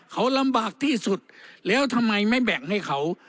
เขาลำบากที่สุดแล้วทำไมไม่แบ่งให้เขา